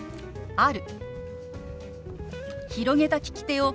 「ある」。